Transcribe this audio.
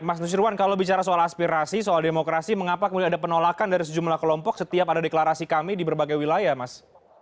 mas nusyirwan kalau bicara soal aspirasi soal demokrasi mengapa kemudian ada penolakan dari sejumlah kelompok setiap ada deklarasi kami di berbagai wilayah mas